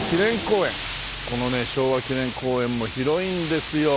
このね昭和記念公園も広いんですよ。